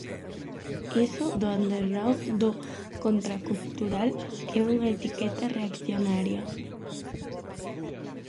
Iso do underground, do contracultural, é unha etiqueta reaccionaria.